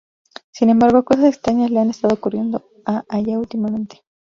Sin embargo, cosas extrañas le han estado ocurriendo a Aya últimamente.